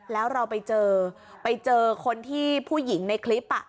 แล้วเราไปเจอไปเจอคนที่ผู้หญิงในคลิป